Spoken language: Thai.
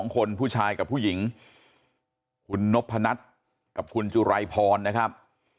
๒คนผู้ชายกับผู้หญิงคุณนพนัทกับคุณจุรายพรนะครับ